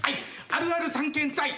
あるある探検隊はい！」